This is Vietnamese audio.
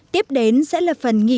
tiếp đến sẽ là phần nghị